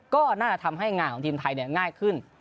ก็น่าจะทำให้หงามทีมไทยเนี่ยง่ายขึ้น